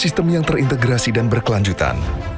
sistem yang terintegrasi dan berkelanjutan